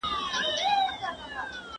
څه شی د سپورت د ودي مخه نیسي؟